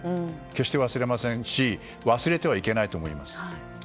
決して忘れませんし忘れてはいけないと思います。